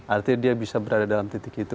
artinya dia bisa berada dalam titik itu